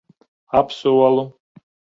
Apsolu.